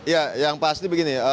ya yang pasti begini